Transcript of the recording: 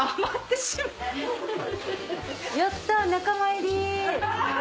やった仲間入り。